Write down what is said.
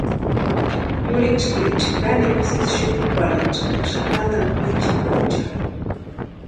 Yurhitskiriicha kanekwa sésï xukuparhantʼasïntiksï matani kwʼinchikwaecharhu.